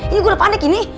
ini gue panik ini